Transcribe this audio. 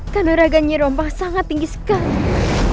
kaderagannya rompah sangat tinggi sekali